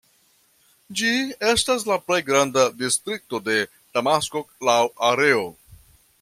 Ĝi estas la plej granda distrikto de Damasko laŭ areo.